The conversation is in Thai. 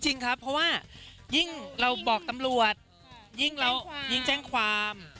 จริงครับเพราะว่ายิ่งเราบอกตำรวจยิ่งเรายิ่งแจ้งความ